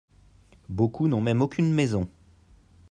Beaucoup n'ont même aucune maison.